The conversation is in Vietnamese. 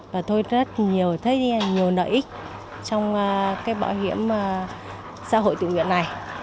và tôi thấy rất nhiều nợ ích trong bảo hiểm xã hội tự nguyện này